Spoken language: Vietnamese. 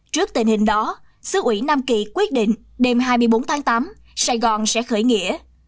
trước tình hình đó sứ ủy nam kỳ quyết định đêm hai mươi bốn tháng tám sài gòn sẽ khởi nghĩa